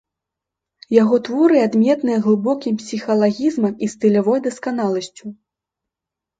Яго творы адметныя глыбокім псіхалагізмам і стылявой дасканаласцю.